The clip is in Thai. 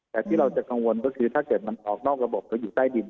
แต่ที่เราจะกังวลก็คือถ้าเกิดมันออกนอกระบบก็อยู่ใต้ดิน